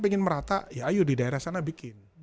pengen merata ya ayo di daerah sana bikin